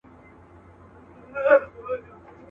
په دښتونو کي چي ګرځې وږی پلی.